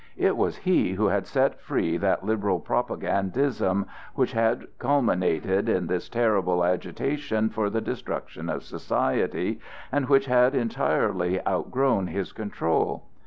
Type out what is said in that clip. It was he who had set free that liberal propagandism which had culminated in this terrible agitation for the destruction of society, and which had entirely outgrown his control.